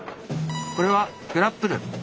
これはグラップル。